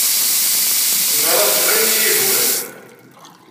Zemreɣ ad ččeɣ ayen i yi-ihwan.